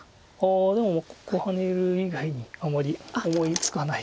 ああでもここハネる以外にあまり思いつかないんですけど。